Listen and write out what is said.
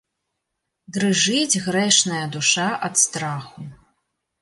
Дрыжыць грэшная душа ад страху.